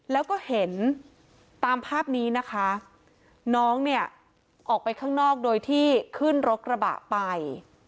แล้วก็เห็นตามภาพนี้นะคะน้องเนี่ยออกไปข้างนอกโดยที่ขึ้นรถกระบะไป